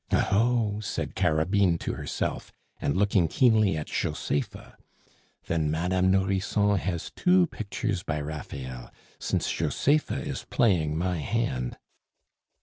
"Oh, ho!" said Carabine to herself, and looking keenly at Josepha, "then Madame Nourrisson has two pictures by Raphael, since Josepha is playing my hand!"